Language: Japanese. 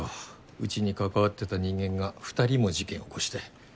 ウチに関わってた人間が２人も事件を起こして。